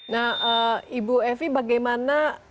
nah ibu evi bagaimana